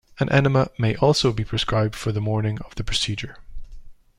An enema may also be prescribed for the morning of the procedure.